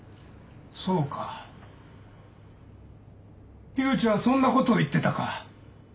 そうか樋口はそんなことを言ってたか。